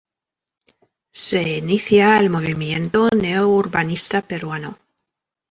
Se inicia el movimiento neo-urbanista peruano.